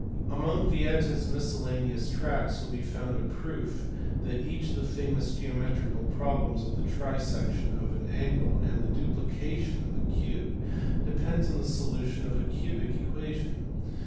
Among Vieta s miscellaneous tracts will be found a proof that each of the famous geometrical problems of the trisection of an angle and the duplication of the cube depends on the solution of a cubic equation.